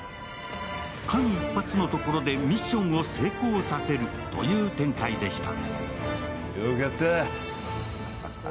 間一髪のところでミッションを成功させるという展開でした。